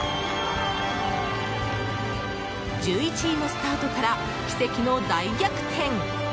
１１位のスタートから奇跡の大逆転。